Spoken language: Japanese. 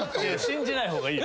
信じない方がいい。